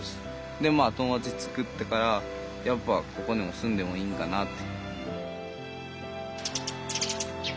でまあ友達つくってからやっぱここにも住んでもいいんかなって。